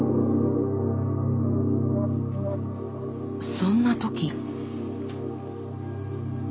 そんな時。